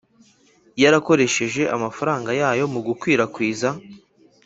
yarakoresheje amafaranga yayo mu gukwirakwiza